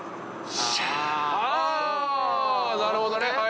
あなるほど。